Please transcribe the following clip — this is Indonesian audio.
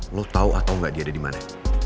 lo tau atau enggak dia ada dimana